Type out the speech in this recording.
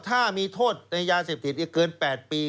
ถ้ามีโทษในยาเสพติดเกิน๘ปี